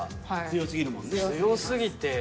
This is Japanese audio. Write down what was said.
強すぎて。